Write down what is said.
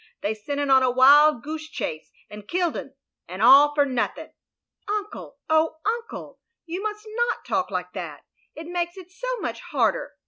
They sent *un on a wild goose chase and killed 'un. And all for nothing." "Uncle, oh Uncle! You must not talk like that. It makes it so much harder.